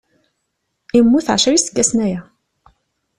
Immut ɛecra iseggasen aya.